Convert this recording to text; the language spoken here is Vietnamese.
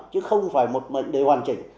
chứ không phải một đời hoàn chỉnh